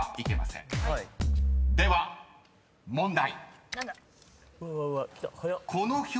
［では問題］